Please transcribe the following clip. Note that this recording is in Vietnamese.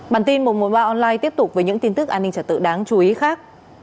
bản tin một trăm một mươi ba online tiếp tục với những tin tức an ninh trật tự đáng chú ý khác